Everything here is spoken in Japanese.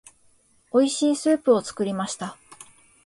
美味しいスープを作りました。